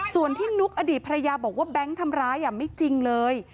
ส่วนที่นุ๊กอดีตภรรยาบอกว่าแบงค์ทำร้ายไม่จริงเลย